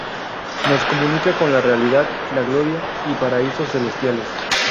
Nos comunica con la realidad, la gloria y paraísos celestiales.